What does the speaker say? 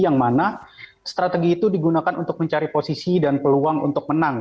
yang mana strategi itu digunakan untuk mencari posisi dan peluang untuk menang